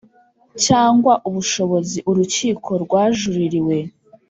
cyangwa ubushobozi Urukiko rwajuririwe